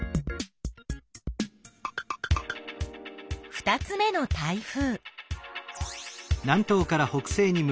２つ目の台風。